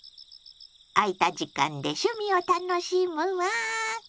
空いた時間で趣味を楽しむわ。